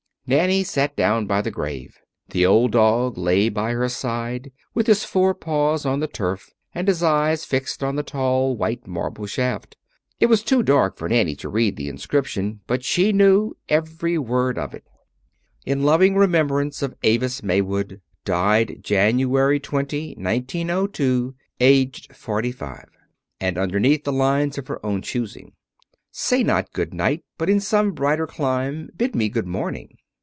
Nanny sat down by the grave. The old dog lay down by her side with his forepaws on the turf and his eyes fixed on the tall white marble shaft. It was too dark for Nanny to read the inscription but she knew every word of it: "In loving remembrance of Avis Maywood, died January 20, 1902, aged 45." And underneath the lines of her own choosing: "Say not good night, but in some brighter clime Bid me good morning."